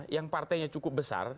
yang partainya cukup besar